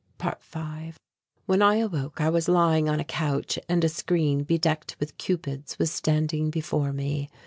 ~5~ When I awoke, I was lying on a couch and a screen bedecked with cupids was standing before me.